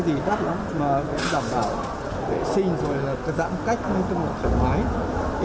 giá cả đây thì đắt lắm mà cũng giảm bảo vệ sinh rồi là giãn cách không có cái mục thẩm máy